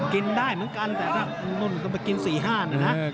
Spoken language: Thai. กินได้เหมือนกันแต่ถ้านุ่นก็ไปกินสี่ห้านนะครับ